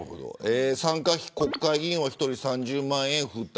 参加費、国会議員は１人３０万円を負担。